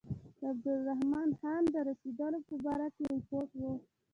د عبدالرحمن خان د رسېدلو په باره کې رپوټ و.